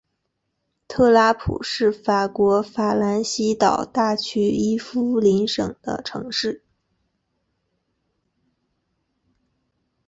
特拉普是法国法兰西岛大区伊夫林省的城市。